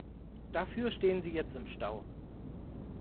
Dafür stehen sie jetzt im Stau.